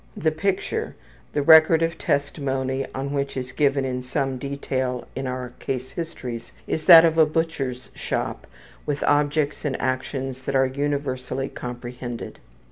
The picture, the record of testimony on which is given in some detail in our case histories, is that of a butcher's shop with objects and actions that are universally comprehended.